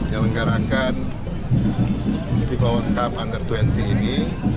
yang menggarangkan tiva world cup under dua puluh ini